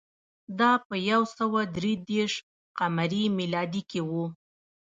دا په یو سوه درې دېرش ق م کې و